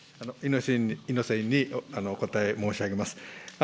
猪瀬委員にお答え申し上げます。